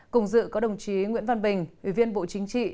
cùng dự có đồng chí nguyễn văn bình ủy viên bộ chính trị